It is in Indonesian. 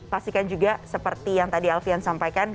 pastikan juga seperti yang tadi alfian sampaikan